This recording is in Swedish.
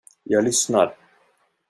Jag lyssnar.